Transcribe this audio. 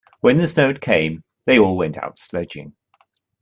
When the snow came, they all went out sledging.